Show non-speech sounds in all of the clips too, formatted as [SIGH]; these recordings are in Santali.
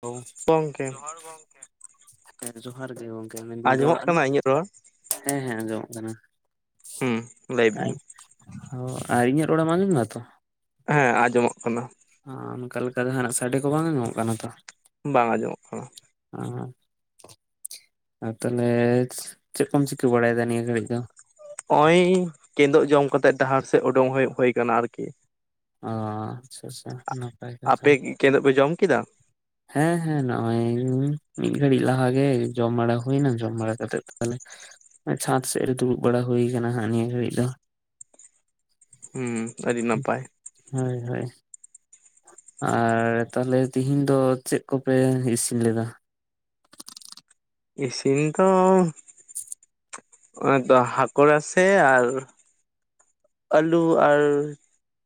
ᱦᱮᱞᱳ ᱜᱚᱝᱠᱮ ᱡᱚᱦᱟᱨ ᱜᱚᱢᱠᱮ ᱦᱮᱸ ᱡᱚᱦᱟᱨ ᱜᱮ ᱜᱚᱝ ᱟᱸᱡᱚᱢᱚᱜ ᱠᱟᱱᱟ ᱤᱧᱟᱹᱜ ᱨᱚᱲ ᱾ ᱦᱮᱸ ᱦᱮᱸ ᱟᱸᱡᱚᱢᱚᱜ ᱠᱟᱱᱟ ᱦᱩᱸ ᱞᱟᱹᱭ ᱟᱡ ᱵᱤᱱ ᱚ ᱟᱨ ᱤᱧᱟᱹᱜ ᱨᱚᱲᱮᱢ ᱟᱸᱡᱚᱢ ᱫᱟ ᱛᱚ ᱾ ᱦᱮᱸ ᱟᱸᱡᱚᱢᱚᱜ ᱠᱟᱱᱟ ᱾ ᱚᱱᱠᱟ ᱞᱮᱠᱟ ᱡᱟᱦᱟᱱᱟᱜ ᱥᱟᱰᱮ ᱠᱚ ᱵᱟᱝ ᱟᱸᱡᱚᱢᱚᱜ ᱠᱟᱱᱟ ᱛᱚ ᱾ ᱵᱟᱝ ᱟᱸᱡᱚᱢᱚᱜ ᱠᱟᱱᱟ ᱾ [UNINTELLIGIBLE] ᱟᱨ ᱛᱟᱦᱚᱞᱮ ᱪᱮᱜ ᱠᱚᱢ ᱪᱤᱠᱟᱹ ᱵᱟᱲᱟᱭ ᱮᱫᱟ ᱱᱤᱭᱟᱹ ᱜᱷᱟᱹᱲᱤᱡ ᱫᱚ ᱾ ᱦᱚᱜ-ᱚᱭ ᱠᱮᱫᱩᱜ ᱡᱚᱢ ᱠᱟᱛᱮᱜ ᱰᱟᱦᱟᱨ ᱥᱮᱫ ᱩᱰᱩᱝ ᱦᱳᱩ ᱦᱩᱭ ᱟᱠᱟᱱᱟ ᱟᱨᱠᱤ ᱾ ᱚ ᱟᱪᱪᱷᱟ ᱟᱪᱪᱷᱟ ᱱᱟᱯᱟᱭ ᱠᱟᱛᱷᱟ ᱾ ᱠᱮᱫᱚᱜ ᱯᱮ ᱡᱚᱢ ᱠᱮᱫᱟ ᱾ ᱦᱮᱸ ᱦᱮᱸ ᱱᱚᱜᱼᱚᱭ ᱢᱤᱫ ᱜᱷᱟᱹᱲᱤᱡ ᱞᱟᱦᱟ ᱜᱮ ᱡᱚᱢ ᱵᱟᱲᱟ ᱦᱩᱭᱱᱟ ᱡᱚᱢ ᱵᱟᱲᱟ ᱠᱟᱛᱮᱜ ᱫᱚ ᱛᱟᱦᱚᱞᱮ ᱪᱷᱟᱸᱫᱽ ᱥᱮᱡ ᱨᱮ ᱫᱩᱲᱩᱵ ᱵᱟᱲᱟ ᱦᱩᱭ ᱟᱠᱟᱱᱟ ᱦᱟᱸᱜ ᱱᱤᱭᱟᱹ ᱜᱷᱟᱹᱲᱤᱡ ᱫᱚ ᱾ ᱦᱩᱸ ᱟᱹᱰᱤ ᱱᱟᱯᱟᱭ ᱾ ᱦᱳᱭ ᱦᱳᱭ ᱟᱨ ᱛᱟᱦᱚᱞᱮ ᱛᱮᱦᱤᱧ ᱫᱚ ᱪᱮᱫ ᱠᱚᱯᱮ ᱤᱥᱤᱱ ᱞᱮᱫᱟ ᱾ ᱤᱥᱤᱱ ᱫᱚ᱾ ᱟᱫᱚ ᱦᱟᱠᱚᱲᱟ ᱥᱮ ᱟᱨ᱾ ᱟᱹᱞᱩ ᱟᱨ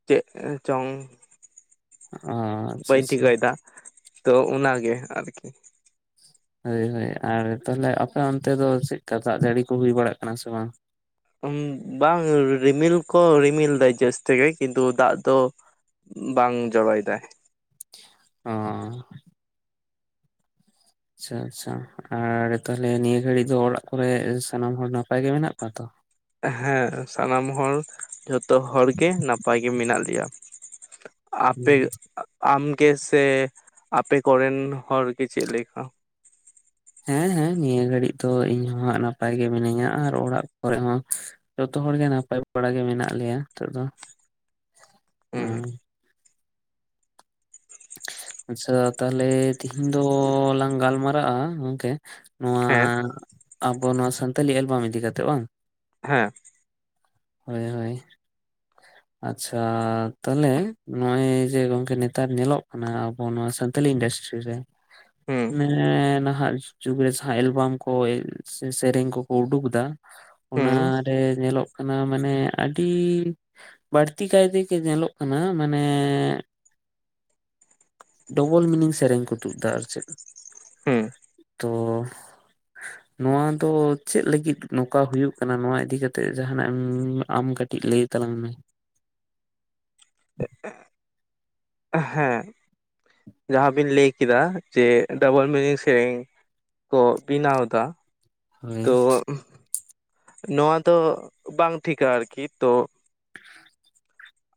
ᱪᱮᱫ ᱪᱚᱝ᱾ ᱚ᱾ ᱟᱪᱪᱷᱟ ᱵᱟᱹᱧ ᱟᱪᱪᱷᱟ ᱴᱷᱤᱠᱟᱹᱭᱮᱫᱟ ᱛᱚ ᱚᱱᱟᱜᱮ ᱟᱹᱨᱠᱤ ᱾ ᱦᱳᱭ ᱦᱳᱭ ᱟᱨ ᱛᱟᱦᱚᱸᱞᱮ ᱟᱯᱮ ᱚᱱᱛᱮ ᱫᱚ ᱪᱮᱫᱠᱟ ᱫᱟᱜ ᱡᱟᱹᱲᱤ ᱠᱚ ᱦᱩᱭ ᱵᱟᱲᱟᱜ ᱠᱟᱱᱟ ᱥᱮ ᱵᱟᱝ? ᱵᱟᱝ ᱨᱤᱢᱤᱞ ᱠᱚ ᱨᱤᱢᱤᱞ ᱫᱟᱭ ᱡᱟᱹᱥᱛᱤ ᱜᱮ ᱠᱤᱱᱛᱩ ᱫᱟᱜ ᱫᱚ᱾ ᱵᱟᱝ ᱡᱚᱨᱚᱭ ᱫᱟᱭ-ᱼ ᱚᱻ, ᱟᱪᱪᱷᱟ ᱟᱪᱪᱷᱟ ᱟᱨ ᱛᱟᱦᱚᱸᱞᱮ ᱱᱤᱭᱟᱹ ᱜᱷᱟᱹᱲᱤᱡ ᱫᱚ ᱚᱲᱟᱜ ᱠᱚᱨᱮ ᱥᱟᱱᱟᱢ ᱦᱚᱲ ᱱᱟᱯᱟᱭ ᱜᱮ ᱢᱮᱱᱟᱜ ᱠᱚᱣᱟ ᱛᱚ? ᱦᱮᱸ ᱥᱟᱱᱟᱢ ᱦᱚᱲ ᱡᱚᱛᱚ ᱦᱚᱲ ᱜᱮ ᱱᱟᱯᱟᱭ ᱜᱮ ᱢᱮᱱᱟᱜ ᱞᱮᱭᱟ᱾ ᱟᱯᱮ ᱟᱢ ᱜᱮ ᱥᱮ ᱟᱯᱮ ᱠᱚᱨᱮᱱ ᱦᱚᱲ ᱜᱮ ᱪᱮᱫ ᱞᱮᱠᱟ? ᱦᱮᱸ ᱦᱮᱸ ᱱᱤᱭᱟᱹ ᱜᱷᱟᱹᱲᱤᱡ ᱫᱚ ᱤᱧ ᱦᱚᱸ ᱱᱟᱯᱟᱭ ᱜᱮ ᱢᱤᱱᱟᱹᱧᱟ ᱟᱨ ᱚᱲᱟᱜ ᱠᱚᱨᱮ ᱦᱚᱸ᱾ ᱡᱚᱛᱚ ᱦᱚᱲᱜ ᱜᱮ ᱱᱟᱯᱟᱭ ᱵᱟᱲᱟ ᱜᱮ ᱢᱮᱱᱟᱜ ᱞᱮᱭᱟ ᱱᱤᱛᱚᱜ ᱫᱚ ᱟ ᱦᱩᱸ ᱟᱪᱪᱷᱟ ᱛᱟᱦᱚᱸᱞᱮ ᱛᱤᱦᱤᱧ ᱫᱚᱞᱟᱝ ᱜᱟᱞᱢᱟᱨᱟᱜ-ᱟ ᱜᱚᱝᱠᱮ᱾ ᱱᱚᱣᱟ ᱦᱮᱸ ᱟᱵᱚ ᱱᱚᱣᱟ ᱥᱟᱱᱛᱟᱞᱤ ᱮᱞᱵᱟᱢ ᱤᱫᱤ ᱠᱟᱛᱮᱜ ᱵᱟᱝ᱾ ᱦᱮᱸ ᱦᱳᱭ ᱦᱳᱭ, ᱟᱪᱪᱷᱟ ᱛᱟᱦᱚᱸᱞᱮ ᱱᱚᱜᱼᱚᱭ ᱡᱮ ᱜᱚᱝᱠᱮ ᱱᱮᱛᱟᱨ ᱧᱮᱞᱚᱜ᱾ ᱚᱱᱟ ᱟᱵᱚ ᱱᱚᱣᱟ ᱥᱟᱱᱛᱟᱞᱤ ᱤᱱᱰᱟᱥᱴᱨᱤ ᱨᱮ ᱦᱩᱸ ᱚᱱᱮ ᱱᱟᱦᱟᱸᱜ ᱡᱩᱜᱽ ᱨᱮ ᱥᱟᱦᱟ ᱮᱞᱵᱟᱢ ᱠᱚ ᱥᱮ ᱥᱮᱨᱮᱧ ᱠᱚᱠᱚ ᱩᱰᱩᱠ ᱮᱫᱟ ᱚᱱᱟ ᱦᱩᱸ ᱨᱮ ᱧᱮᱞᱚᱜ ᱦᱟᱱᱟ ᱢᱟᱱᱮ ᱟᱹᱰᱤ ᱵᱟᱹᱲᱛᱤ ᱠᱟᱭᱛᱮᱜᱮ ᱧᱮᱞᱚᱜ ᱠᱟᱱᱟ ᱢᱟᱱᱮ ᱰᱚᱵᱚᱞ ᱢᱤᱱᱤᱝ ᱥᱮᱨᱮᱧ ᱠᱚ ᱛᱩᱫ ᱫᱟ ᱟᱨ ᱪᱮᱫ ᱦᱩᱸ ᱛᱚ ᱱᱚᱣᱟ ᱫᱚ ᱪᱮᱫ ᱞᱟᱹᱜᱤᱫ ᱱᱚᱝᱠᱟ ᱦᱩᱭᱩᱜ ᱠᱟᱱᱟ ᱱᱚᱣᱟ ᱤᱫᱤ ᱠᱟᱛᱮ ᱡᱟᱦᱱᱟᱜ ᱟᱢ ᱠᱟᱹᱴᱤᱡ ᱞᱟᱹᱭ ᱛᱟᱞᱟᱝ ᱢᱮ᱾ [INAUDIBLE] ᱦᱮᱸ, ᱡᱟᱦᱟᱸ ᱵᱤᱱ ᱞᱟᱹᱭ ᱠᱮᱫᱟ ᱡᱮ ᱰᱚᱵᱚᱞ ᱢᱤᱱᱤᱝ ᱥᱮᱨᱮᱧ ᱠᱚ, ᱵᱮᱱᱟᱣ ᱫᱟ᱾ ᱦᱳᱭ ᱛᱚ ᱱᱚᱣᱟ ᱫᱚ ᱵᱟᱝ ᱴᱷᱤᱠᱟ ᱟᱨᱠᱤ ᱛᱚ ᱦ [UNINTELLIGIBLE]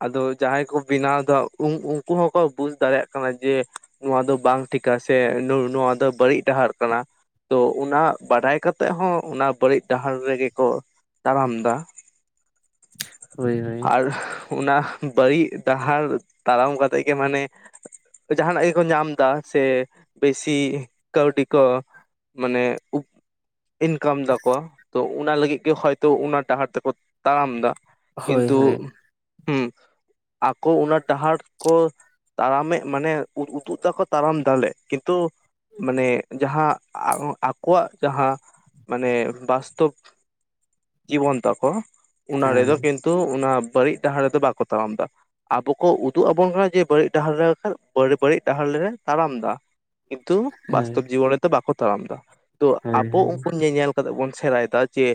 ᱟᱫᱚ ᱡᱟᱦᱟᱸᱭ ᱠᱚ ᱵᱮᱱᱟᱣ ᱫᱟ ᱩᱱ ᱩᱱᱠᱩ ᱦᱚᱸᱠᱚ ᱵᱩᱡᱽ ᱫᱟᱲᱮᱭᱟᱜ ᱠᱟᱱᱟ ᱡᱮ ᱱᱚᱣᱟ ᱫᱚ ᱵᱟᱝ ᱴᱷᱤᱠᱟ ᱥᱮ ᱱᱳ ᱱᱚᱣᱟ ᱫᱚ ᱵᱟᱹᱲᱤᱡ ᱰᱟᱦᱟᱨ ᱠᱟᱱᱟ᱾ ᱛᱚ ᱚᱱᱟ ᱵᱟᱰᱟᱭ ᱠᱟᱛᱮᱜ ᱦᱚᱸ ᱚᱱᱟ ᱵᱟᱹᱲᱤᱡ ᱰᱟᱦᱟᱨ ᱨᱮ ᱜᱮ᱾ ᱠᱚ ᱛᱟᱲᱟᱢ ᱫᱟ ᱦᱳᱭ ᱦᱳᱭ ᱟᱨ ᱚᱱᱟ ᱵᱟᱹᱲᱤᱡᱽ ᱰᱟᱦᱟᱨ ᱛᱟᱲᱟᱢ ᱠᱟᱛᱮᱜ ᱜᱮ ᱢᱟᱱᱮ᱾ ᱡᱟᱦᱟᱱᱟᱜ ᱜᱮᱠᱚ ᱧᱟᱢ ᱫᱟ, ᱥᱮ ᱵᱮᱥᱤ ᱠᱟᱹᱣᱰᱤ ᱠᱚ᱾ ᱢᱟᱱᱮ ᱤᱱᱠᱟᱢ ᱫᱟ ᱠᱚ᱾ ᱚᱱᱟ ᱞᱟᱹᱜᱤᱫ ᱜᱮ ᱦᱚᱭᱛᱳ ᱚᱱᱟ ᱰᱟᱦᱟᱨ ᱛᱮᱠᱚ ᱛᱟᱲᱟᱢ ᱫᱟ ᱦᱳᱭ ᱠᱤᱱᱛᱩ᱾ ᱦᱳᱭ ᱦᱮᱸ ᱟᱠᱚ ᱚᱱᱟ ᱰᱟᱦᱟᱨ ᱠᱚ᱾ ᱛᱟᱲᱟᱢᱮᱫ ᱢᱟᱱᱮ ᱩᱫᱩᱜ ᱫᱟᱠᱚ ᱛᱟᱲᱟᱢ ᱫᱟᱞᱮ ᱠᱤᱱᱛᱩ᱾ ᱢᱟᱱᱮ ᱡᱟᱦᱟᱸ ᱟᱠᱚᱣᱟᱜ ᱡᱟᱦᱟᱸ ᱢᱟᱱᱮ ᱵᱟᱥᱛᱚᱵ ᱡᱤᱵᱚᱱ ᱛᱟᱠᱚ ᱚᱱᱟ ᱦᱮᱸ ᱨᱮᱫᱚ ᱠᱤᱱᱛᱩ ᱚᱱᱟ ᱵᱟᱹᱲᱤᱡ ᱰᱟᱦᱟᱨ ᱨᱮᱫᱚ ᱵᱟᱠᱚ ᱛᱟᱲᱟᱢ ᱫᱟ᱾ ᱟᱵᱚ ᱠᱚ ᱩᱫᱩᱜ ᱟᱵᱚᱱ ᱠᱟᱱᱟ ᱡᱮ ᱵᱟᱹᱲᱤᱡ ᱰᱟᱦᱟᱨ ᱨᱮᱞᱮ ᱵᱟᱹᱲᱤᱡ ᱰᱟᱦᱟᱨ ᱨᱮᱞᱮ ᱛᱟᱲᱟᱢ ᱫᱟ᱾ ᱠᱤᱱᱛᱩ ᱦᱳᱭ ᱵᱟᱥᱛᱚᱵ ᱡᱤᱵᱚᱱ ᱨᱮᱫᱚ ᱵᱟᱠᱚ ᱛᱟᱲᱟᱢ ᱫᱟ, ᱛᱚ ᱦᱳᱭ ᱟᱵᱚ ᱩᱱᱠᱩ ᱧᱮᱧᱮᱞ ᱠᱟᱛᱮᱜ ᱵᱚᱱ ᱥᱮᱲᱟᱭᱮᱫᱟ᱾ ᱡᱮ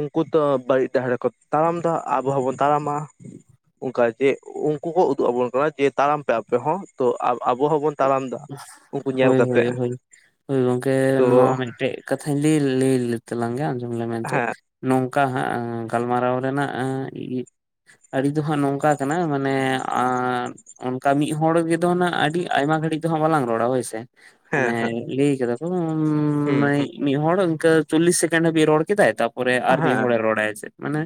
ᱩᱱᱠᱩ ᱛᱚ ᱵᱟᱹᱲᱤᱡ ᱰᱟᱦᱟᱨ ᱨᱮᱠᱚ ᱛᱟᱲᱟᱢ ᱫᱟ ᱟᱵᱚ ᱦᱚᱸ ᱵᱚᱱ ᱛᱟᱲᱟᱢᱟ᱾ ᱚᱱᱠᱟ ᱡᱮ ᱩᱱᱠᱩ ᱠᱚ ᱩᱫᱩᱜ ᱟᱵᱚᱱ ᱠᱟᱱᱟ ᱡᱮ ᱛᱟᱲᱟᱢ ᱯᱮ ᱟᱯᱮ ᱦᱚᱸ ᱛᱚ ᱟᱵᱚ ᱦᱚᱸ ᱵᱚᱱ, ᱦᱳᱭ ᱦᱳᱭ ᱦᱳᱭ ᱜᱚᱢᱠᱮ ᱛᱚ ᱱᱚᱣᱟ ᱢᱤᱫᱴᱮᱡ ᱠᱟᱛᱷᱟᱧ ᱞᱟᱹᱭ ᱞᱟᱹᱭ ᱞᱮ ᱛᱟᱞᱟᱝ ᱜᱮ ᱟᱡᱚᱢ ᱞᱮ ᱢᱮᱱᱛᱮ, ᱦᱮᱸ ᱱᱚᱝᱠᱟ ᱦᱟᱸᱜ ᱜᱟᱞᱢᱟᱨᱟᱣ ᱨᱮᱱᱟᱜ ᱟᱹᱨᱤ ᱫᱚ ᱦᱟᱸᱜ ᱱᱚᱝᱠᱟ ᱠᱟᱱᱟ ᱢᱟᱱᱮ ᱚᱱᱠᱟ ᱢᱤᱫ ᱦᱚᱲ ᱜᱮ ᱛᱚ ᱚᱱᱟ ᱟᱹᱰᱤ ᱟᱭᱢᱟ ᱜᱷᱟᱹᱲᱤᱡ ᱫᱚ ᱦᱟᱸᱜ ᱵᱟᱞᱟᱝ ᱨᱚᱲᱟ ᱦᱳᱭᱥᱮ ᱦᱮᱸ ᱢᱟᱱᱮ ᱦᱮᱸ ᱞᱟᱹᱭ ᱠᱟᱫᱟ᱾ ᱦᱩᱸ ᱦᱩᱸ ᱢᱤᱫ ᱦᱚᱲ ᱤᱱᱠᱟᱹ ᱪᱚᱞᱞᱤᱥ ᱥᱮᱠᱮᱱᱰ ᱦᱟᱹᱵᱤᱡ ᱨᱚᱲ ᱠᱮᱫᱟᱭ ᱛᱟᱨᱯᱚᱨ ᱟᱨ ᱢᱤᱫ ᱦᱮᱸ ᱦᱚᱲᱮ ᱨᱚᱲᱟᱭ ᱪᱮ ᱢᱟᱱᱮ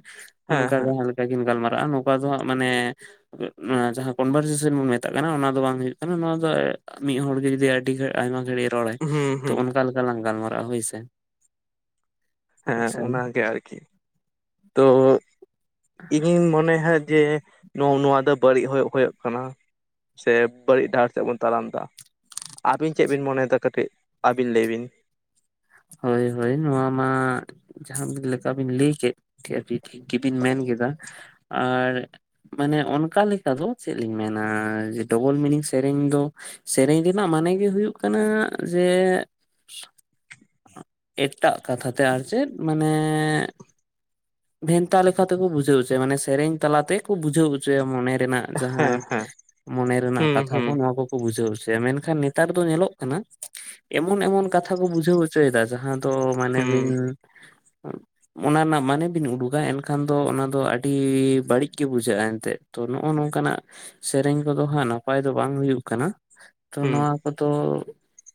ᱦᱮᱸ ᱚᱱᱠᱟ ᱦᱮᱸ ᱡᱟᱦᱟᱸ ᱞᱮᱠᱟ ᱠᱤᱱ ᱜᱟᱞᱢᱟᱨᱟᱜᱼᱟ ᱱᱚᱝᱠᱟ ᱫᱚ ᱦᱟᱸᱜ ᱢᱟᱱᱮ ᱡᱟᱦᱟᱸ ᱠᱚᱱᱵᱷᱟᱨᱡᱮᱥᱚᱱ ᱵᱚᱱ ᱢᱮᱛᱟᱜ ᱠᱟᱱᱟ ᱚᱱᱟ ᱫᱚ ᱵᱟᱝ ᱦᱩᱭᱩᱜ ᱠᱟᱱᱟ ᱱᱚᱣᱟ ᱫᱚ ᱢᱤᱫ ᱦᱚᱲᱜᱮ ᱡᱩᱫᱤ ᱟᱹᱰᱤ ᱜᱷᱟᱹᱲᱤ ᱟᱭᱢᱟ ᱜᱷᱟᱹᱲᱤᱡ ᱨᱚᱲᱟᱭ ᱦᱩᱸ ᱛᱚ ᱦᱩᱸ ᱚᱱᱠᱟ ᱞᱮᱠᱟ ᱞᱟᱝ ᱜᱟᱞᱢᱟᱨᱟᱜᱼᱟ ᱦᱳᱭᱥᱮ᱾ ᱦᱮᱸ ᱚᱱᱟᱜᱮ ᱟᱨᱠᱤ [INAUDIBLE] ᱛᱚ ᱤᱧᱤᱧ ᱢᱚᱱᱮᱦᱟ ᱡᱮ ᱱᱚᱜ-ᱚ ᱱᱚᱣᱟ ᱫᱚ ᱵᱟᱹᱲᱤᱡ ᱦᱳᱭᱳᱜ ᱠᱟᱱᱟ᱾ ᱥᱮ ᱵᱟᱹᱲᱤᱡ ᱰᱟᱦᱟᱨ ᱛᱮᱵᱚᱱ ᱛᱟᱲᱟᱢ ᱫᱟ᱾ ᱟᱹᱵᱤᱱ ᱪᱮᱫ ᱵᱤᱱ ᱢᱚᱱᱮᱭᱮᱫᱟ ᱠᱟᱹᱴᱤᱡ ᱟᱹᱵᱤᱱ ᱞᱟᱹᱭ ᱵᱤᱱ᱾ ᱦᱳᱭ ᱦᱳᱭ ᱱᱚᱣᱟ ᱢᱟ ᱡᱟᱦᱟᱸ ᱞᱮᱠᱟᱵᱤᱱ ᱞᱟᱹᱭ ᱠᱮᱫ ᱴᱷᱤᱠ ᱜᱮᱵᱤᱱ ᱢᱮᱱ ᱠᱮᱫᱟ ᱟᱨ ᱢᱟᱱᱮ ᱚᱱᱠᱟ ᱞᱮᱠᱟ ᱫᱚ ᱪᱮᱫ ᱞᱤᱧ ᱢᱮᱱᱟ ᱰᱚᱵᱚᱞ ᱢᱤᱱᱤᱝ ᱥᱮᱨᱮᱧ ᱫᱚ ᱥᱮᱨᱮᱧ ᱨᱮᱱᱟᱜ ᱢᱟᱱᱮ ᱜᱮ ᱦᱩᱭᱩᱜ ᱠᱟᱱᱟ ᱡᱮ ᱮᱴᱟᱜ ᱠᱟᱛᱷᱟᱛᱮ ᱟᱨ ᱪᱮᱫ ᱢᱟᱱᱮ ᱵᱷᱮᱱᱛᱟ ᱞᱮᱠᱟᱛᱮᱠᱚ ᱵᱩᱡᱷᱟᱹᱣ ᱦᱚᱪᱚᱭᱟ ᱢᱟᱱᱮ ᱥᱮᱨᱮᱧ ᱛᱟᱞᱟ ᱛᱮᱠᱚ ᱵᱩᱡᱷᱟᱹᱣ ᱦᱚᱪᱚᱭᱟ ᱢᱚᱱᱮ ᱨᱮᱱᱟᱜ ᱡᱟᱦᱟᱸᱱ ᱦᱮᱸ ᱦᱮᱸ ᱢᱚᱱᱮ ᱨᱮᱱᱟᱜ ᱦᱩᱸ ᱠᱟᱛᱷᱟ ᱠᱚ ᱦᱩᱸ ᱱᱚᱣᱟ ᱠᱚ ᱵᱩᱡᱷᱟᱹᱣ ᱦᱚᱪᱚᱭᱟ ᱢᱮᱱᱠᱷᱟᱱ ᱱᱮᱛᱟᱨ ᱫᱚ ᱧᱮᱞᱚᱜ ᱠᱟᱱᱟ ᱮᱢᱚᱱ ᱮᱢᱚᱱ ᱠᱟᱛᱷᱟ ᱠᱚ ᱵᱩᱡᱷᱟᱹᱣ ᱦᱚᱪᱚᱭᱮᱫᱟ ᱡᱟᱦᱟᱸ ᱛᱚ ᱢᱟᱱᱮ ᱦᱩᱸ ᱵᱤᱱ ᱚᱱᱟ ᱨᱮᱱᱟᱜ ᱢᱟᱱᱮ ᱵᱤᱱ ᱩᱰᱩᱠᱟ ᱮᱱᱠᱷᱟᱱ ᱫᱚ ᱚᱱᱟ ᱫᱚ ᱟᱹᱰᱤ ᱵᱟᱹᱲᱤᱡ ᱜᱮ ᱵᱩᱡᱷᱟᱹᱜᱼᱟ ᱮᱱᱛᱮᱜ, ᱛᱚ ᱱᱚᱜ-ᱚ ᱱᱚᱝᱠᱟᱱᱟᱜ ᱥᱮᱨᱮᱧ ᱠᱚᱫᱚ ᱦᱟᱸᱜ ᱱᱟᱯᱟᱭ ᱫᱚ ᱵᱟᱝ ᱦᱩᱭᱩᱜ ᱠᱟᱱᱟ᱾ ᱛᱚ ᱦᱩᱸ ᱱᱚᱣᱟ ᱠᱚᱫᱚ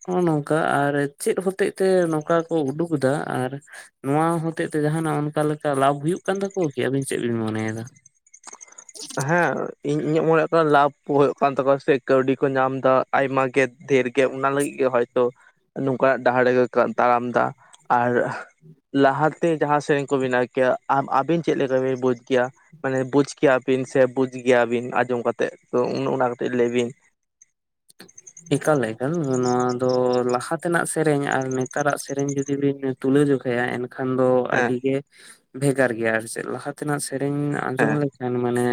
ᱦᱚᱸᱜᱼᱚ ᱱᱚᱝᱠᱟ ᱟᱨ ᱪᱮᱫ ᱦᱚᱛᱮᱡ ᱛᱮ ᱱᱚᱝᱠᱟ ᱠᱚ ᱩᱰᱩᱠ ᱫᱟ ᱟᱨ ᱱᱚᱣᱟ ᱦᱚᱛᱮᱡ ᱛᱮ ᱡᱟᱦᱟᱱᱟᱜ ᱚᱱᱠᱟ ᱞᱮᱠᱟ ᱞᱟᱵᱽ ᱦᱩᱭᱩᱜ ᱠᱟᱱ ᱛᱟᱠᱚᱣᱟ ᱠᱤ ᱟᱵᱤᱱ ᱪᱮᱫ ᱵᱤᱱ ᱢᱚᱱᱮᱭᱟᱫᱟ᱾ ᱦᱮᱸ ᱤᱧ ᱤᱧᱟᱹᱜ ᱢᱚᱱᱮ ᱠᱟᱱᱟ ᱞᱟᱵᱷ ᱠᱚ ᱦᱩᱭᱩᱜ ᱠᱟᱱ ᱛᱟᱠᱚᱣᱟ ᱥᱮ ᱠᱟᱹᱣᱰᱤ ᱠᱚ ᱧᱟᱢ ᱫᱟ᱾ ᱟᱭᱢᱟ ᱜᱮ ᱫᱷᱮᱨ ᱜᱮ ᱚᱱᱟ ᱞᱟᱹᱜᱤᱫ ᱜᱮ ᱦᱚᱭᱛᱚ ᱱᱚᱝᱠᱟᱱᱟᱜ ᱰᱟᱦᱟᱨ ᱨᱮᱜᱮ ᱠᱚ ᱛᱟᱲᱟᱢ ᱮᱫᱟ ᱟᱨ ᱞᱟᱦᱟᱛᱮ ᱡᱟᱦᱟᱸ ᱥᱮᱨᱮᱧ ᱠᱚ ᱵᱮᱱᱟᱣ ᱠᱮᱭᱟ ᱟᱵᱤᱱ ᱪᱮᱫ ᱞᱮᱠᱟᱵᱤᱱ ᱵᱩᱡᱽ ᱠᱮᱭᱟ ᱢᱟᱱᱮ ᱵᱩᱡᱽ ᱠᱮᱭᱟ ᱵᱤᱱ ᱥᱮ ᱵᱩᱡ ᱜᱮᱭᱟ ᱵᱤᱱ ᱟᱸᱡᱚᱢ ᱠᱟᱛᱮᱫ ᱛᱚ ᱩᱱ ᱚᱱᱟ ᱠᱟᱹᱴᱤᱡ ᱞᱟᱹᱭ ᱵᱤᱱ᱾ ᱮᱠᱟᱞ ᱮᱠᱟᱞ ᱱᱚᱣᱟ ᱫᱚ ᱞᱟᱦᱟ ᱛᱮᱱᱟᱜ ᱥᱮᱨᱮᱧ ᱟᱨ ᱱᱮᱛᱟᱨᱟᱜ ᱥᱮᱨᱮᱧ ᱡᱩᱫᱤ ᱵᱤᱱ ᱛᱩᱞᱟᱹᱡᱚᱠᱷᱟᱭᱟ ᱮᱱᱠᱷᱟᱱ ᱫᱚ ᱦᱮᱸ ᱟᱹᱰᱤ ᱜᱮ ᱵᱷᱮᱜᱟᱨ ᱜᱮᱭᱟ ᱟᱨ ᱪᱮᱫ ᱞᱟᱦᱟ ᱚᱱᱠᱟᱱᱟᱜ ᱥᱮᱨᱮᱧ ᱟᱸᱡᱚᱢ ᱦᱮᱸ ᱞᱮᱠᱷᱟᱱ ᱢᱟᱱᱮ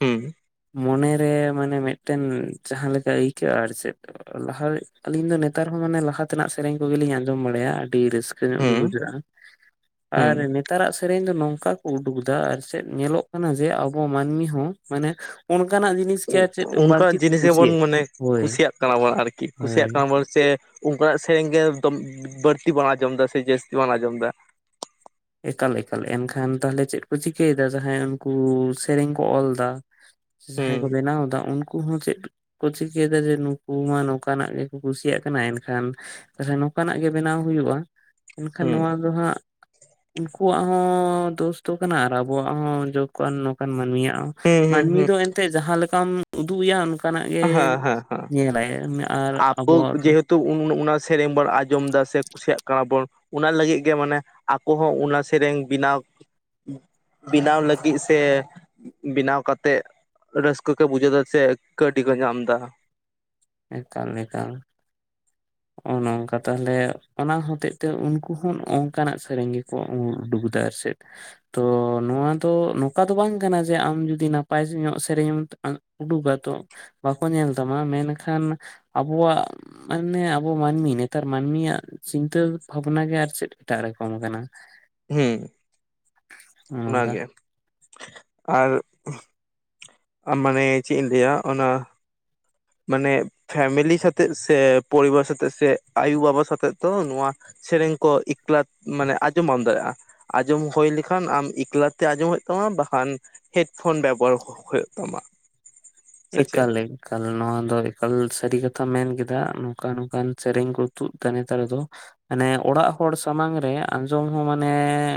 ᱦᱩᱸ ᱢᱚᱱᱮ ᱨᱮ ᱢᱟᱱᱮ ᱢᱮᱫ ᱴᱮᱱ ᱡᱟᱦᱟᱸ ᱞᱮᱠᱟ ᱟᱹᱭᱠᱟᱹᱜᱼᱟ ᱟᱨ ᱪᱮᱫ ᱞᱟᱦᱟ ᱟᱞᱤᱧ ᱫᱚ ᱱᱮᱛᱟᱨ ᱦᱚᱸ ᱢᱟᱱᱮ ᱞᱟᱦᱟ ᱛᱮᱱᱟᱜ ᱥᱮᱨᱮᱧ ᱠᱚᱜᱮᱞᱤᱧ ᱟᱸᱡᱚᱢ ᱵᱟᱲᱟᱭᱟ ᱟᱹᱰᱤ ᱨᱟᱹᱥ ᱠᱟᱹ ᱧᱚᱜ ᱜᱮ ᱦᱩᱸ ᱵᱩᱡᱷᱟᱹᱜᱼᱟ ᱦᱩᱸ ᱟᱨ ᱱᱮ ᱛᱟᱨᱟᱜ ᱥᱮᱨᱮᱧ ᱫᱚ ᱱᱚᱝᱠᱟ ᱠᱚ ᱩᱰᱩᱠ ᱫᱟ ᱟᱨ ᱪᱮᱫ ᱧᱮᱞᱚᱜ ᱠᱟᱱᱟ ᱡᱮ ᱟᱵᱚ ᱢᱟᱹᱱᱢᱤ ᱦᱚᱸ ᱢᱟᱱᱮ ᱚᱱᱠᱟᱱᱟᱜ ᱡᱤᱱᱤᱥ ᱜᱮ ᱟᱨ ᱪᱮᱫ ᱵᱟᱹᱲᱛᱤ ᱚᱱᱠᱟᱱᱟᱜ ᱠᱚ ᱡᱤᱱᱤᱥ ᱜᱮᱵᱚᱱ ᱠᱩᱥᱤᱭᱟᱜ ᱢᱟᱱᱮ ᱦᱳᱭ ᱠᱩᱥᱤᱭᱟᱜ ᱠᱟᱱᱟ ᱵᱚᱱ ᱟᱨᱠᱤ ᱠᱩᱥᱤᱭᱟᱜ ᱦᱳᱭ ᱠᱟᱱᱟ ᱵᱚᱱ ᱪᱮᱫ ᱚᱱᱠᱟᱱᱟᱜ ᱥᱮᱨᱮᱧ ᱜᱮ ᱵᱟᱹᱲᱛᱤ ᱵᱚᱱ ᱟᱸᱡᱚᱢ ᱫᱟ ᱥᱮ ᱡᱟᱹᱥᱛᱤ ᱵᱚᱱ ᱟᱸᱡᱚᱢ ᱫᱟ᱾ ᱮᱠᱟᱞ ᱮᱠᱟᱞ ᱮᱱᱠᱷᱟᱱ ᱛᱟᱦᱚᱞᱮ ᱪᱮᱫ ᱠᱚ ᱪᱤᱠᱟᱹᱭᱮᱫᱟ ᱡᱟᱦᱟᱸᱭ ᱩᱱᱠᱩ ᱥᱮᱨᱮᱧ ᱠᱚ ᱚᱞ ᱫᱟ ᱦᱩᱸ ᱡᱟᱦᱟᱸᱭ ᱠᱚ ᱵᱮᱱᱟᱣ ᱫᱟ ᱩᱱᱠᱩ ᱦᱚᱸ ᱪᱮᱫ ᱠᱚ ᱪᱤᱠᱟᱹᱭᱫᱟ ᱡᱮ ᱱᱩᱠᱩ ᱢᱟ ᱱᱚᱝᱠᱟᱱᱟᱜ ᱜᱮᱠᱚ ᱠᱩᱥᱤᱭᱟᱜ ᱠᱟᱱᱟ, ᱮᱱᱠᱷᱟᱱ ᱛᱟᱞᱦᱮ ᱱᱚᱝᱠᱟᱱᱟᱜ ᱜᱮ ᱵᱮᱱᱟᱣ ᱦᱩᱭᱩᱜ-ᱟ, ᱮᱱᱠᱷᱟᱱ ᱦᱩᱸ ᱱᱚᱣᱟ ᱫᱚ ᱦᱟᱸᱜ ᱩᱱᱠᱩᱣᱟᱜ ᱦᱚᱸ ᱫᱳᱥ ᱫᱚ ᱠᱟᱱᱟ ᱟᱨ ᱟᱵᱚᱣᱟᱜ ᱦᱚᱸ ᱡᱚᱠᱟᱱ ᱱᱚᱝᱠᱟᱱ ᱢᱟᱹᱱᱢᱤᱭᱟᱜ ᱦᱚᱸ ᱦᱩᱸ ᱦᱩᱸ ᱢᱟᱹᱱᱢᱤ ᱦᱩᱸ ᱫᱚ ᱮᱱᱛᱮᱫ ᱡᱟᱦᱟᱸ ᱞᱮᱠᱟᱢ ᱩᱫᱩᱜ ᱮᱭᱟ ᱚᱱ ᱠᱟᱱᱟᱜ ᱜᱮ ᱦᱮᱸ ᱦᱮᱸ ᱦᱮᱸ ᱧᱮᱞᱟᱭ ᱟᱨ ᱟᱵᱚᱣᱟᱜ ᱫᱚ ᱛᱚ ᱩᱱ ᱚᱱᱟ ᱥᱮᱨᱮᱧ ᱵᱚᱱ ᱟᱸᱡᱚᱢ ᱫᱟ ᱥᱮ ᱠᱩᱥᱤᱭᱟᱜ ᱠᱟᱱᱟ ᱵᱚᱱ ᱚᱱᱟ ᱞᱟᱹᱜᱤᱫ ᱜᱮ ᱢᱟᱱᱮ ᱟᱠᱚ ᱦᱚᱸ ᱚᱱᱟ ᱥᱮᱨᱮᱧ ᱵᱮᱱᱟᱣ ᱵᱮᱱᱟᱣ ᱞᱟᱹᱜᱤᱫ ᱥᱮ ᱵᱮᱱᱟᱣ ᱠᱟᱛᱮᱜ ᱨᱟᱹᱥᱠᱟᱹ ᱠᱚ ᱵᱩᱡᱷᱟᱹᱣ ᱫᱟ ᱥᱮ ᱠᱟᱹᱣᱰᱤ ᱠᱚ ᱧᱟᱢ ᱫᱟ᱾ ᱮᱠᱟᱞ ᱮᱠᱟᱞ᱾ ᱚᱱᱚ ᱚᱝᱠᱟ ᱛᱟᱦᱟᱞᱮ ᱚᱱᱟ ᱦᱚᱛᱮᱡ ᱛᱮ ᱩᱱᱠᱩ ᱦᱚᱸ ᱚᱝᱠᱟᱱᱟᱜ ᱥᱮᱨᱮᱧ ᱜᱮᱠᱚ ᱩᱰᱩᱠ ᱫᱟ ᱟᱨ ᱪᱮᱫ᱾ ᱛᱚ ᱱᱚᱣᱟ ᱫᱚ ᱱᱚᱝᱠᱟ ᱫᱚ ᱵᱟᱝ ᱠᱟᱱᱟ ᱡᱮ ᱟᱢ ᱡᱩᱫᱤ ᱱᱟᱯᱟᱭ ᱧᱚᱜ ᱥᱮᱨᱮᱧᱮᱢ ᱩᱰᱩᱠᱟ ᱛᱚ ᱵᱟᱠᱚ ᱧᱮᱞ ᱛᱟᱢᱟ ᱢᱮᱱᱠᱷᱟᱱ ᱟᱵᱚᱣᱟᱜ ᱢᱟᱱᱮ ᱟᱵᱚ ᱢᱟᱹᱱᱢᱤ ᱱᱮᱛᱟᱨ ᱢᱟᱹᱱᱢᱤᱭᱟᱜ ᱪᱤᱱᱛᱟᱹ ᱵᱷᱟᱵᱽᱱᱟ ᱜᱮ ᱟᱨ ᱪᱮᱫ ᱮᱴᱟᱜ ᱨᱚᱠᱚᱢ ᱠᱟᱱᱟ᱾ ᱦᱩᱸ ᱱᱚᱜᱼᱚ ᱱᱚᱝᱠᱟ ᱚᱱᱟᱜᱮ [UNINTELLIGIBLE] ᱟᱨ ᱟ ᱢᱟᱱᱮ ᱪᱮᱫ ᱤᱧ ᱞᱟᱹᱭᱟ ᱚᱱᱟ ᱢᱟᱱᱮ ᱯᱷᱮᱢᱮᱞᱤ ᱥᱟᱛᱮᱜ ᱥᱮ ᱯᱚᱨᱤᱵᱟᱨ ᱥᱟᱛᱮᱜ ᱥᱮ ᱟᱹᱭᱩ ᱵᱟᱵᱟ ᱥᱟᱛᱮᱜ ᱫᱚ ᱱᱚᱣᱟ ᱥᱮᱨᱮᱧ ᱠᱚ ᱮᱠᱞᱟᱛ ᱢᱟᱱᱮ ᱟᱸᱡᱚᱢ ᱵᱟᱢ ᱫᱟᱲᱮᱭᱟᱜ-ᱟ᱾ ᱟᱸᱡᱚᱢ ᱦᱳᱭ ᱞᱮᱠᱷᱟᱱ ᱟᱢ ᱮᱠᱞᱟᱛᱮ ᱟᱸᱡᱚᱢ ᱦᱳᱭᱳᱜ ᱛᱟᱢᱟ ᱵᱟᱠᱷᱟᱱ ᱦᱮᱰᱯᱷᱳᱱ ᱵᱮᱵᱚᱦᱟᱨ ᱦᱳᱭᱳᱜ ᱛᱟᱢᱟ᱾ ᱥᱮ ᱪᱮᱫ ᱮᱠᱟᱞ ᱮᱠ᱾ ᱠᱟᱞ ᱱᱚᱣᱟ ᱫᱚ ᱮᱠᱟᱞ ᱥᱟᱹᱨᱤ ᱠᱟᱛᱷᱟ ᱢᱮᱱ ᱠᱮᱫᱟ ᱱᱚᱝᱠᱟ ᱱᱚᱝᱠᱟᱱ ᱥᱮᱨᱮᱧ ᱠᱚ ᱛᱩᱫ ᱫᱟ ᱱᱮᱛᱟᱨ ᱫᱚ ᱦᱟᱱᱮ ᱚᱲᱟᱜ ᱦᱚᱲ ᱥᱟᱢᱟᱝ ᱨᱮ ᱟᱸᱡᱚᱢ ᱦᱚᱸ ᱢᱟᱱᱮ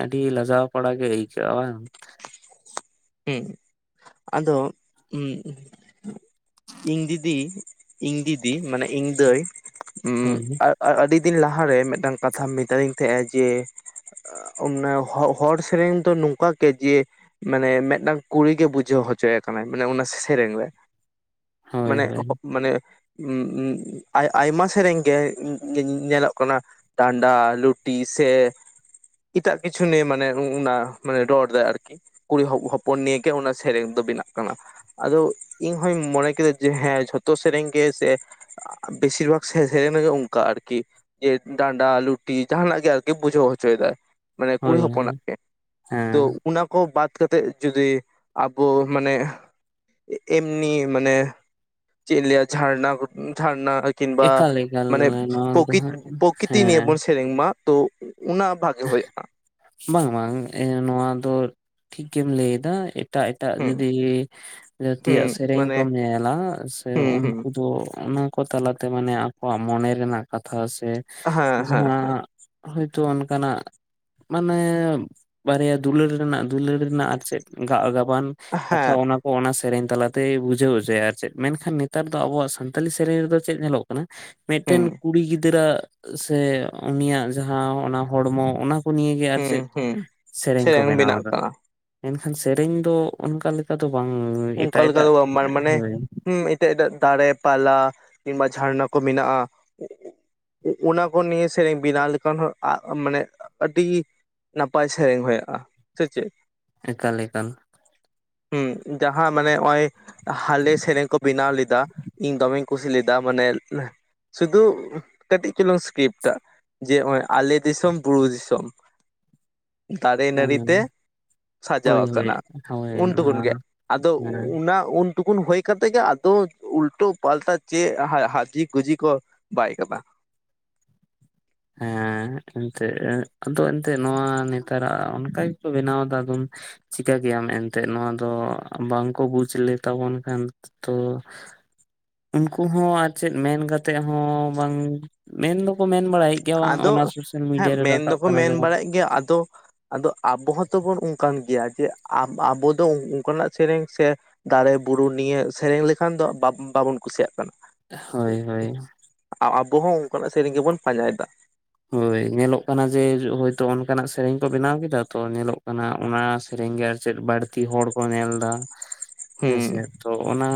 ᱟᱹᱰᱤ ᱞᱟᱡᱟᱣ ᱯᱟᱲᱟ ᱜᱮ ᱟᱹᱭᱠᱟᱹᱜ-ᱟ ᱵᱟᱝ? ᱦᱩᱸ ᱟᱫᱚ ᱩᱸ ᱤᱧ ᱫᱤᱫᱤ ᱤᱧ ᱫᱤᱫᱤ ᱢᱟᱱᱮ ᱤᱧ ᱫᱟᱹᱭ ᱩᱸ ᱦᱳᱭ ᱟᱨ ᱟᱹᱰᱤ ᱫᱤᱱ ᱞᱟᱦᱟᱨᱮ ᱢᱮᱫᱴᱟᱝ ᱠᱟᱛᱷᱟ ᱢᱮᱛᱟᱫᱤᱧ ᱛᱟᱦᱮᱸᱜᱟᱭ ᱡᱮ [UNINTELLIGIBLE] ᱦᱚᱲ ᱥᱮᱨᱮᱧ ᱫᱚ ᱱᱚᱝᱠᱟ ᱜᱮ ᱡᱮ ᱢᱟᱱᱮ ᱢᱫᱫᱴᱟᱝ ᱠᱩᱲᱤ ᱜᱮ ᱵᱩᱡᱷᱟᱹᱣ ᱦᱚᱪᱚᱭᱮ ᱠᱟᱱᱟᱭ, ᱢᱟᱱᱮ ᱚᱱᱟ ᱥᱮᱨᱮᱧ ᱨᱮ ᱦᱳᱭ ᱢᱟᱱᱮ ᱦᱳᱭ ᱢᱟᱱᱮ [INAUDIBLE] ᱟᱭᱢᱟ ᱥᱮᱨᱮᱧ ᱜᱮ [INAUDIBLE] ᱧᱮᱞᱚᱜ ᱠᱟᱱᱟ᱾ ᱰᱟᱸᱰᱟ ᱞᱩᱴᱤ ᱥᱮ ᱮᱴᱟᱜ ᱠᱤᱪᱷᱩ ᱱᱤᱭᱮ ᱢᱟᱱᱮ [INAUDIBLE] ᱢᱟᱱᱮ ᱨᱚᱲ ᱫᱟᱭ ᱟᱨᱠᱤ ᱠᱩᱲᱤ ᱦᱚᱯ ᱦᱚᱯ ᱯᱚᱱ ᱱᱤᱭᱟᱹᱜᱮ ᱚᱱᱟ ᱥᱮᱨᱮᱧ ᱫᱚ ᱵᱮᱱᱟᱜ ᱠᱟᱱᱟ᱾ ᱟᱫᱚ ᱤᱧ ᱦᱚᱧ ᱢᱚᱱᱮ ᱠᱮᱫᱟ ᱡᱮ ᱦᱮᱸ ᱡᱷᱚᱛᱚ ᱥᱮᱨᱮᱧ ᱜᱮ ᱥᱮ ᱵᱮᱥᱤᱨ ᱵᱷᱟᱜ ᱥᱮ ᱥᱮᱨᱮᱧ ᱨᱮᱜᱮ ᱚᱝᱠᱟ ᱟᱨᱠᱤ ᱡᱮ ᱰᱟᱸᱰᱟ ᱞᱩᱴᱤ ᱡᱟᱦᱟᱱᱟᱜ ᱜᱮ ᱟᱨᱠᱤ ᱵᱩᱡᱷᱟᱹᱣ ᱦᱚᱪᱚᱭᱫᱟᱭ᱾ ᱢᱟᱱᱮ ᱦᱳᱭ ᱠᱩᱲᱤ ᱦᱚᱯᱚᱱᱟᱜ ᱜᱮ ᱛᱚ ᱦᱮᱸ ᱚᱱᱟ ᱠᱚ ᱵᱟᱫ ᱠᱟᱛᱮᱫ ᱡᱩᱫᱤ ᱟᱵᱚ ᱢᱟᱱᱮ ᱮᱢᱱᱤ ᱢᱟᱱᱮ ᱪᱮᱫ ᱤᱧ ᱞᱮᱭᱟ ᱡᱷᱟᱨᱱᱟ ᱠᱚ ᱡᱷᱟᱨᱱᱟ ᱠᱤᱱᱵᱟ ᱮᱠᱟᱞ ᱮᱠᱟᱞ ᱢᱟᱱᱮ ᱱᱚᱣᱟ ᱫᱚ ᱯᱚᱠᱤ ᱦᱟᱸᱜ ᱯᱚᱠᱤᱛᱤ ᱱᱤᱭᱮ ᱦᱮᱸ ᱵᱚᱱ ᱥᱮᱨᱮᱧ ᱢᱟ ᱛᱚ ᱚᱱᱟ ᱵᱷ ᱵᱟᱝ ᱵᱟᱝ ᱱᱚᱣᱟ ᱫᱚ ᱴᱷᱤᱠ ᱜᱮᱢ ᱞᱟᱹᱭᱫᱟ ᱮᱴᱟᱜ ᱮᱴᱟᱜ ᱦᱩᱸ ᱡᱩᱫᱤ ᱦᱩᱸ ᱡᱟᱹᱛᱤᱭᱟᱜ ᱥᱮᱨᱮᱧ ᱢᱟᱱᱮ ᱠᱚᱢ ᱧᱮᱞᱟ ᱥᱮ ᱦᱩᱸ ᱦᱩᱸ ᱩᱱᱠᱩ ᱫᱚ ᱚᱱᱟ ᱠᱚ ᱛᱟᱞᱟᱛᱮ ᱢᱟᱱᱮ ᱟᱠᱚᱣᱟᱜ ᱢᱚᱱᱮ ᱨᱮᱱᱟᱜ ᱠᱟᱛᱷᱟ ᱥᱮ, ᱦᱮᱸ ᱦᱮᱸ ᱡᱟᱦᱟᱸ ᱦᱚᱭᱛᱳ ᱚᱱᱼᱼ ᱠᱟᱱᱟᱜ ᱢᱟᱱᱮᱻ ᱵᱟᱨᱭᱟ ᱫᱩᱞᱟᱹᱲ ᱨᱮᱱᱟᱜ ᱫᱩᱞᱟᱹᱲ ᱨᱮᱱᱟᱜ ᱟᱨ ᱪᱮᱫ ᱜᱟ-ᱜ ᱜᱟᱵᱟᱱ᱾ ᱦᱮᱸ ᱠᱟᱛᱷᱟ ᱦᱮᱸ ᱚᱱᱟ ᱠᱚ ᱚᱱᱟ ᱥᱮᱨᱮᱧ ᱛᱟᱞᱟᱛᱮᱭᱻ ᱵᱩᱡᱷᱟᱹᱣ ᱦᱚᱪᱚᱭᱟ ᱟᱨ ᱪᱮᱫ ᱢᱮᱱᱠᱷᱟᱱ ᱱᱮᱛᱼᱼ ᱛᱟᱨ ᱫᱚ ᱟᱵᱚᱣᱟᱜ ᱥᱟᱱᱛᱟᱞᱤ ᱥᱮᱨᱮᱧ ᱨᱮᱫᱚ ᱪᱮᱫ ᱧᱮᱞᱚᱜ ᱠᱟᱱᱟ, ᱢᱤᱫᱴᱮᱱ ᱦᱩᱸ ᱠᱩᱲᱤ ᱜᱤᱫᱽᱨᱟᱹ-ᱟᱜ ᱥᱮ ᱩᱱᱤᱭᱟᱜ ᱡᱟᱦᱟᱸ ᱚᱱᱟ ᱦᱚᱲᱢᱚ ᱚᱱᱟᱼᱼ ᱠᱩ ᱱᱤᱭᱟᱹᱜᱮ ᱟᱨ ᱪᱮᱫ, ᱦᱩᱸ ᱦᱩᱸ ᱥᱮᱨᱮᱧ ᱠᱚ ᱵᱮᱱᱟᱣ ᱵᱮᱱᱟᱜ ᱮᱫᱟ᱾ ᱠᱟᱱᱟ ᱮᱱᱠᱷᱟᱱ ᱥᱮᱨᱮᱧ ᱫᱚ, ᱚᱱᱠᱟ ᱞᱮᱠᱟ ᱫᱚ ᱵᱟᱝ ᱮᱴᱟᱜ- ᱮᱴᱟᱜ, ᱦᱳᱭ᱾ ᱛᱮ-ᱜ ᱫᱟᱹ-ᱫ ᱫᱟᱲᱮ ᱯᱟᱞᱟ ᱠᱤᱝᱵᱟ ᱡᱷᱟᱨᱱᱟ ᱠᱚ ᱢᱮᱱᱟᱜ-ᱟ᱾ ᱚᱱᱟ ᱠᱚ ᱱᱤᱭᱮ ᱥᱮᱨᱮᱧ ᱵᱮᱱᱟᱣ ᱞᱮᱠᱷᱟᱱ ᱦᱚᱸ ᱟᱜ ᱢᱟᱱᱮ ᱟᱹᱰᱤ ᱱᱟᱯᱟᱭ ᱥᱮᱨᱮᱝ ᱦᱳᱭᱜ-ᱟ ᱥᱮ ᱪᱮᱫ? ᱮᱠᱟᱞ ᱮᱠᱟᱞ ᱦᱩᱸ ᱡᱟᱦᱟᱸ ᱢᱟᱱᱮ ᱦᱚᱸᱜ-ᱚᱭ, ᱦᱟᱞᱮ ᱥᱮᱨᱮᱧ ᱠᱚ ᱵᱮᱱᱟᱣ ᱞᱮᱫᱟ, ᱤᱧ ᱫᱚᱢᱮᱧ ᱠᱩᱥᱤ ᱞᱮᱫᱟ ᱢᱟᱱᱮ ᱥᱩᱫᱩᱜ ᱠᱟᱹᱴᱤᱡ ᱪᱩᱞᱩᱝ ᱤᱥᱠᱤᱯᱴᱟ ᱡᱮ ᱦᱚᱸᱜ-ᱚᱭ ᱟᱞᱮ ᱫᱤᱥᱚᱢ ᱵᱩᱨᱩ ᱫᱤᱥᱚᱢ᱾ ᱫᱟᱨᱮ ᱱᱟᱹᱨᱤ ᱛᱮ ᱥᱟᱡᱟᱣ ᱦᱳᱭ ᱦᱳᱭ ᱟᱠᱟᱱᱟ ᱦᱳᱭ ᱩᱱ ᱫᱚ ᱱᱚᱣᱟ ᱩᱱᱜᱮ ᱦᱮᱸ ᱟᱫᱚ ᱩᱼᱼ ᱚᱱᱟ ᱩᱱ ᱴᱩᱠᱩᱱ ᱦᱳᱭ ᱠᱟᱛᱮᱜᱮ ᱟᱫᱚ ᱩᱞᱴᱳ ᱯᱟᱞᱴᱟ ᱪᱮᱫ ᱦᱟ ᱦᱟᱡᱤ ᱜᱩᱡᱤ ᱠᱚ ᱵᱟᱭ ᱠᱟᱫᱟ᱾ ᱦᱮᱸᱻ ᱦᱮᱸᱜ ᱮᱱᱛᱮᱫ ᱮᱸᱜ ᱟᱫᱚ ᱮᱱᱛᱮ ᱱᱚᱣᱟ ᱱᱮᱛᱟᱨᱟᱜ ᱚᱱᱠᱟ ᱜᱮᱠᱚ ᱵᱮᱱᱟᱣᱫᱟ ᱟᱫᱚᱢᱼᱼ ᱪᱤᱠᱟᱹ ᱠᱮᱭᱟᱢ ᱮᱱᱛᱮᱫ ᱱᱚᱣᱟ ᱫᱚ ᱵᱟᱝᱠᱚ ᱵᱩᱡᱽ ᱞᱮᱛᱟᱵᱚᱱ ᱠᱷᱟᱱ᱾ ᱛᱚᱻ ᱩᱱᱠᱩ ᱦᱚᱸ ᱟᱨ ᱪᱮᱫ ᱢᱮᱱ ᱠᱟᱛᱮᱫ ᱦᱚᱸ ᱵᱟᱝ, ᱢᱮᱱ ᱫᱚᱠᱚ ᱢᱮᱱ ᱵᱟᱲᱟᱭᱮᱫ ᱜᱮᱭᱟ ᱵᱟᱝ ᱟᱫᱚ-ᱜ ᱚᱱᱟ ᱥᱳᱥᱟᱞ ᱦᱮᱸ ᱢᱤᱰᱤᱭᱟ ᱨᱮ ᱢᱮᱱ ᱨᱟᱠᱟᱵ ᱫᱚᱠᱚ ᱠᱟᱱᱟ ᱢᱮᱱ ᱡᱮᱢᱚᱱ ᱵᱟᱲᱟᱭᱮᱫ ᱜᱮᱭᱟ ᱟᱫᱚ ᱟᱫᱚ ᱟᱵᱚ ᱦᱚᱸᱛᱚ ᱵᱚᱱ ᱚᱱᱠᱟᱱ ᱜᱮᱭᱟ ᱡᱮ, ᱟᱵ-ᱟᱵᱚ ᱫᱚ ᱚᱱᱠᱟᱱᱟᱜ ᱥᱮᱨᱮᱧ ᱥᱮ ᱫᱟᱲᱮ ᱵᱩᱨᱩ ᱱᱤᱭᱟᱹ ᱥᱮᱨᱮᱧ ᱞᱮᱠᱷᱟᱱ ᱫᱚ ᱵᱟ-ᱵᱟᱵᱚᱱ ᱠᱩᱥᱤᱭᱟᱜ ᱠᱟᱱᱟ᱾ ᱦᱳᱭ ᱦᱳᱭ᱾ ᱟᱵᱚ ᱦᱚᱸ ᱚᱱᱠᱟᱱᱟᱜ ᱥᱮᱨᱮᱧ ᱜᱮᱵᱚᱱ ᱯᱟᱸᱡᱟᱭᱮᱫᱟ᱾ ᱦᱳᱭ ᱧᱮᱞᱚᱜ ᱠᱟᱱᱟ ᱡᱮ ᱦᱳᱭᱛᱳ ᱚᱱᱠᱟᱱᱟᱜ ᱥᱮᱨᱮᱧ ᱠᱚ ᱵᱮᱱᱟᱣ ᱠᱮᱫᱟ ᱛᱚ ᱧᱮᱞᱚᱜ ᱠᱟᱱᱟ ᱚᱱᱟ ᱨᱮᱧᱜᱮ ᱟᱨ ᱪᱮᱫ ᱵᱟᱹᱲᱛᱤ ᱦᱚᱲ ᱠᱚ ᱧᱮᱞ ᱮᱫᱟ, ᱦᱮᱸᱥᱮ᱾ ᱦᱩᱸ ᱛᱚ ᱚᱱᱟ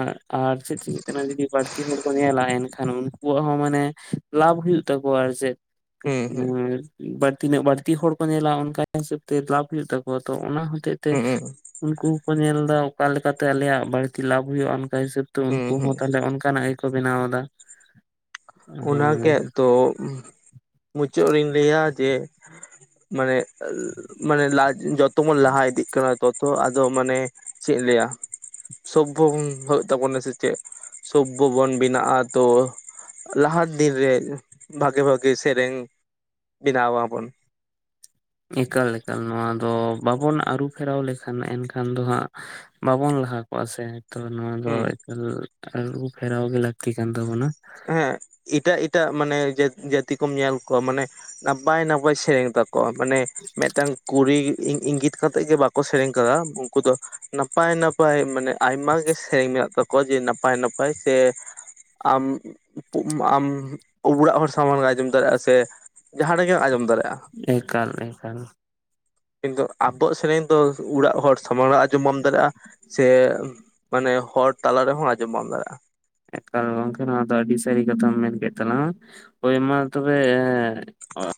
ᱟᱨ ᱪᱮᱫ ᱪᱤᱠᱟᱹᱜ ᱡᱩᱫᱤ ᱵᱟᱹᱲᱛᱤ ᱦᱚᱲ ᱠᱚ ᱧᱮᱞᱟ ᱮᱱᱠᱷᱟᱱ ᱩᱱᱠᱩᱣᱟᱜ ᱦᱚᱸ ᱢᱟᱱᱮ ᱞᱟᱵᱷ ᱦᱩᱭᱩᱜ ᱛᱟᱠᱚᱣᱟ ᱟᱨ ᱪᱮᱫ᱾ ᱦᱩᱸ ᱩᱻ ᱦᱩᱸ ᱵᱟᱹᱲᱛᱤᱱᱟᱹᱜ ᱵᱟᱹᱲᱛᱤ ᱦᱚᱲ ᱠᱚ ᱧᱮᱞᱟ ᱚᱱᱠᱟ ᱦᱤᱥᱟᱹᱵ ᱛᱮ ᱞᱟᱵᱷ ᱦᱩᱭᱩᱜ ᱛᱟᱠᱚᱣᱟ ᱛᱚ ᱚᱱᱟ ᱦᱚᱛᱮᱜ ᱛᱮ ᱦᱩᱸ ᱩᱱᱠᱩ ᱦᱚᱸᱠᱚ ᱧᱮᱞ ᱫᱟ ᱚᱠᱟ ᱞᱮᱠᱟᱛᱮ ᱟᱞᱮᱭᱟᱜ ᱵᱟᱹᱲᱛᱤ ᱞᱟᱵᱷ ᱦᱩᱭᱩᱜ-ᱟ ᱚᱱᱠᱟ ᱦᱤᱥᱟᱹᱵ ᱛᱮ ᱦᱩᱸ ᱩᱱᱠᱩ ᱦᱩᱸ ᱦᱚᱸ ᱛᱟᱦᱞᱮ ᱚᱱᱼᱼ ᱠᱟᱱᱟᱜ ᱜᱮᱠᱚ ᱵᱮᱱᱟᱣ ᱫᱟ᱾ ᱚᱱᱟᱜ ᱠᱮᱜ ᱛᱚ, ᱢᱩᱪᱟᱹᱫ ᱨᱮᱧ ᱞᱟᱹᱭᱟ ᱡᱮ ᱢᱟᱱᱮ ᱢᱟᱱᱮ ᱞᱟᱡ ᱡᱚᱛᱚ ᱵᱚᱱ ᱞᱟᱦᱟ ᱤᱫᱤᱜ ᱠᱟᱱᱟ ᱛᱚᱛᱚ ᱟᱫᱚ ᱢᱟᱱᱮᱼᱼ ᱪᱮᱫ ᱞᱟᱹᱭᱟ ᱥᱚᱵᱵᱷᱚ ᱵᱩᱱ ᱦᱩᱭᱩᱜ ᱛᱟᱵᱚᱱᱟ ᱥᱮ ᱪᱮᱫ, ᱥᱚᱵᱵᱷᱚ ᱵᱚᱱ ᱵᱮᱱᱟᱜ-ᱟ ᱛᱚᱼᱼ ᱞᱟᱦᱟ ᱫᱤᱱ ᱨᱮ ᱵᱷᱟᱜᱮᱹ ᱵᱷᱟᱜᱮᱹ ᱥᱮᱨᱮᱧ ᱵᱮᱱᱟᱣ ᱢᱟᱵᱚᱱ᱾ ᱮᱠᱟᱞ ᱮᱠᱟᱞ ᱱᱚᱣᱟ ᱫᱚ ᱵᱟᱵᱚᱱ ᱟᱹᱨᱩᱯᱷᱮᱨᱟᱣ ᱞᱮᱠᱷᱟᱱ ᱮᱱᱠᱷᱟᱱ ᱫᱚ ᱦᱟᱸᱜᱼᱼ ᱵᱟᱵᱚᱱ ᱞᱟᱦᱟ ᱠᱚᱜ-ᱟ ᱥᱮ᱾ ᱛᱚ ᱱᱚᱣᱟ ᱫᱚ ᱦᱩᱸ ᱮᱠᱟᱞ ᱟᱹᱨᱩ ᱯᱷᱮᱨᱟᱣ ᱜᱮ ᱞᱟᱹᱠᱛᱤ ᱠᱟᱱ ᱛᱟᱵᱚᱱᱟ᱾ ᱦᱮᱸ ᱮᱴᱟᱜ ᱮᱴᱟᱜ ᱢᱟᱱᱮ ᱡᱟᱛ ᱡᱟᱹᱛᱤ ᱠᱚᱢ ᱧᱮᱞ ᱠᱚᱣᱟ ᱢᱟᱱᱮ, ᱱᱟᱯᱟᱭ ᱱᱟᱯᱟᱭ ᱥᱮᱨᱮᱧ ᱛᱟᱠᱚ᱾ [UNINTELLIGIBLE] ᱢᱟᱱᱮ ᱢᱤᱫᱴᱟᱝ ᱠᱩᱲᱤ ᱤᱝᱜᱤᱛ ᱠᱟᱛᱮᱜ ᱜᱮ ᱵᱟᱠᱚ ᱥᱮᱨᱮᱧ ᱟᱠᱟᱫᱟ ᱩᱱᱠᱩ ᱫᱚ ᱾ ᱱᱟᱯᱟᱭ ᱱᱟᱯᱟᱭ ᱢᱟᱱᱮ ᱟᱭᱢᱟ ᱜᱮ ᱥᱮᱨᱮᱧ ᱢᱮᱱᱟᱜ ᱛᱟᱠᱚᱣᱟ ᱡᱮ ᱱᱟᱯᱟᱭ ᱱᱟᱯᱟᱭ ᱥᱮ ᱟᱢ ᱚᱲᱟᱜ ᱦᱚᱲ ᱥᱟᱢᱟᱝ ᱨᱮᱢ ᱟᱸᱡᱚᱢ ᱫᱟᱲᱮᱭᱟᱜᱼᱟ ᱥᱮ ᱡᱟᱦᱟᱸ ᱨᱮᱜᱮᱢ ᱟᱸᱡᱚᱢ ᱫᱟᱲᱮᱭᱟᱜ-ᱟ᱾ ᱮᱠᱟᱞ ᱮᱠᱟᱞ ᱾ ᱠᱤᱱᱛᱩ ᱟᱵᱚᱣᱟᱜ ᱥᱮᱨᱮᱧ ᱫᱚ ᱚᱲᱟᱜ ᱦᱚᱲ ᱥᱟᱢᱟᱝ ᱨᱮ ᱟᱸᱡᱚᱢ ᱵᱟᱢ ᱫᱟᱲᱮᱭᱟᱜ-ᱟ᱾ ᱥᱮ ᱢᱟᱱᱮ ᱦᱚᱲ ᱛᱟᱞᱟ ᱨᱮᱦᱚᱸ ᱟᱸᱡᱚᱢ ᱵᱟᱢ ᱫᱟᱲᱮᱭᱟᱜ-ᱟ᱾ ᱮᱠᱟᱞ ᱜᱚᱝᱠᱮ ᱱᱚᱣᱟ ᱫᱚ ᱟᱹᱰᱤ ᱥᱟᱹᱨᱤ ᱠᱟᱛᱷᱟᱢ ᱢᱮᱱ ᱠᱮᱫ ᱛᱟᱞᱟᱝ ᱟ ᱦᱳᱭ ᱢᱟ ᱛᱚᱵᱮ